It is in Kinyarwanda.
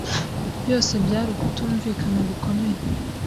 Byose byari ukutumvikana gukomeye.